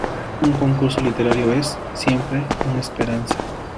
Un concurso literario es, siempre, una esperanza.